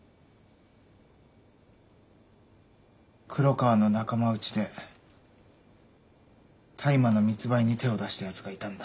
黒川の仲間内で大麻の密売に手を出したやつがいたんだ。